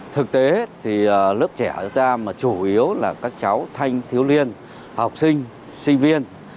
thực tế thì lớp trẻ chúng ta mà chủ yếu là các cháu thanh thiếu liên học sinh sinh viên